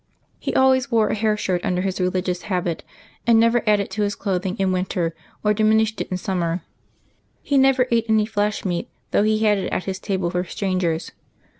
He always wore a hair shirt under his religious habit, and never added to his clothing in winter or diminished it in summer; he never ate any flesh meat, though he had it at his table for strangers.